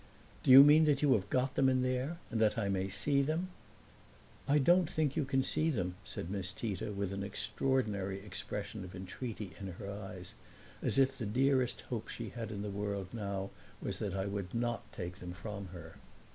"Do you mean that you have got them in there and that I may see them?" "I don't think you can see them," said Miss Tita with an extraordinary expression of entreaty in her eyes, as if the dearest hope she had in the world now was that I would not take them from her.